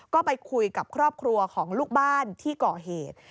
ก็ไปคุยกับครอบครัวของลูกบ้านที่ก่อเหตุ